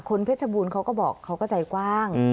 เพชรบูรณ์เขาก็บอกเขาก็ใจกว้าง